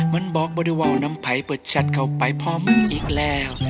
มันบอกบริวาวน้ำไผ่เปิดชัดเข้าไปพร้อมอีกแล้ว